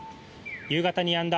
夕方にやんだ